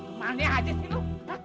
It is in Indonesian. kemahannya aja sih lu